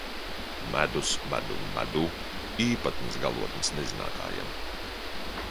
Medus, medum, medū - īpatnas galotnes nezinātājam.